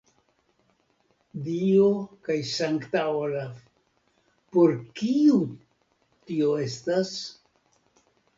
Dio kaj sankta Olaf, por kiu tio estas?